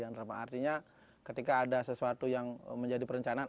artinya ketika ada sesuatu yang menjadi perencanaan